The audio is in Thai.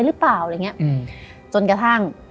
อะไรอย่างงี้จนกระทั่ง